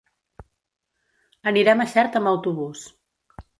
Anirem a Xert amb autobús.